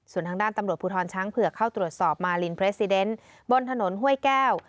ส่วนทางด้านตำรวจผู้ทอนช้างเผื่อเข้าตรวจสอบมาลินบนถนนห้วยแก้ว